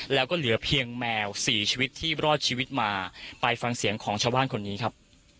แล้วก็เหลือเพียงแมวสี่ชีวิตที่รอดชีวิตมาไปฟังเสียงของชาวบ้านคนนี้ครับ